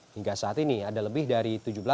hingga saat ini ada lebih dari